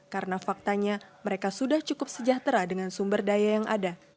karena faktanya mereka sudah cukup sejahtera dengan sumber daya yang ada